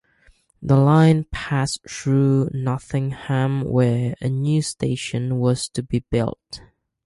The line passed through Nottingham where a new station was to be built.